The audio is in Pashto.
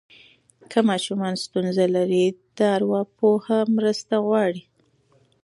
که ماشوم ستونزه لري، د ارواپوه مرسته وغواړئ.